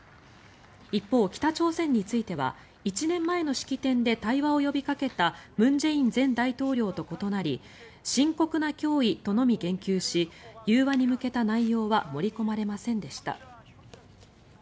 一方、北朝鮮については１年前の式典で対話を呼びかけた文在寅前大統領と異なり深刻な脅威とのみ言及し融和に向けた内容は盛り込まれませんでした。